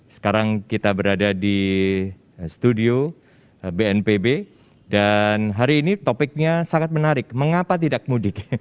sekarang kita berada di studio bnpb dan hari ini topiknya sangat menarik mengapa tidak mudik